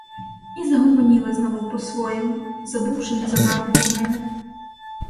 І загомоніли знову по-своєму, забувши незабаром про мене.